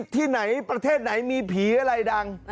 ที่ไหนประเทศไหนมีผีอะไรดัง